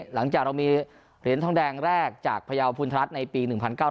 หลังจากเรามีเหรียญทองแดงแรกจากพระเยาพุทธรรมดิ์ในปี๑๙๗๖